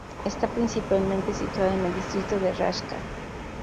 Está principalmente situada en el distrito de Raška.